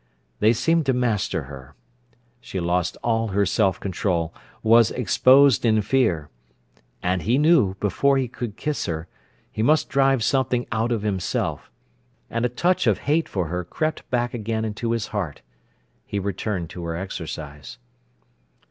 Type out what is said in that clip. They seemed to master her. She lost all her self control, was exposed in fear. And he knew, before he could kiss her, he must drive something out of himself. And a touch of hate for her crept back again into his heart. He returned to her exercise.